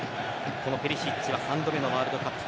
このペリシッチは３度目のワールドカップ。